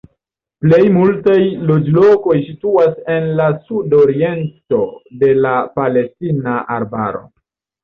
Plej multaj loĝlokoj situas en la sudoriento de la Palatinata Arbaro.